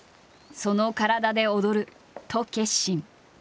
その体で踊ると決心。